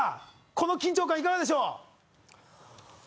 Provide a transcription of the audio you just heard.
この緊張感いかがでしょう？